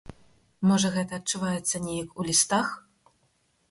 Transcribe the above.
Можа, гэта адчуваецца неяк у лістах?